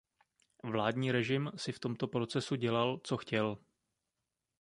Vládní režim si v tomto procesu dělal, co chtěl.